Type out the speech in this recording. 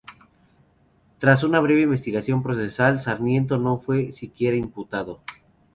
Tras una breve investigación procesal, Sarmiento no fue siquiera imputado.